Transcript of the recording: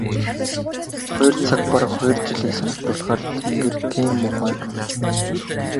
Хоёр цаг бараг хоёр жилийг санагдуулахаар тэнгэр тийм муухай байна.